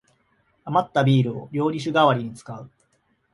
あまったビールを料理酒がわりに使う